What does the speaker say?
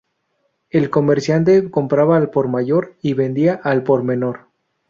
El comerciante compraba al por mayor y vendía al por menor.